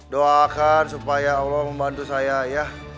doakan supaya allah membantu saya ya